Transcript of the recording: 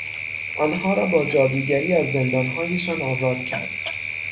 آنها را با جادوگری از زندانهایشان آزاد کرد.